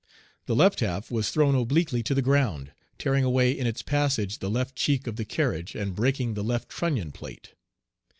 The left half was thrown obliquely to the ground, tearing away in its passage the left cheek of the carriage, and breaking the left trunnion plate.